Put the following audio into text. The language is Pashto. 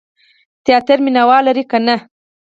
تیاتر مینه وال لري که نه؟